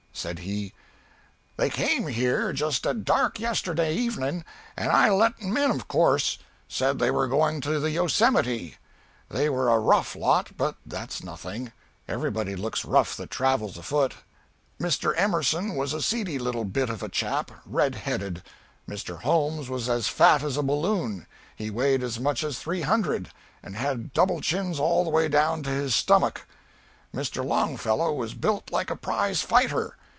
Said he "They came here just at dark yesterday evening, and I let them in of course. Said they were going to the Yosemite. They were a rough lot, but that's nothing; everybody looks rough that travels afoot. Mr. Emerson was a seedy little bit of a chap, red headed. Mr. Holmes as fat as a balloon; he weighed as much as three hundred, and double chins all the way down to his stomach. Mr. Longfellow built like a prize fighter.